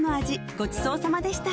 ごちそうさまでした